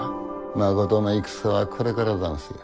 まことの戦はこれからざんすよ。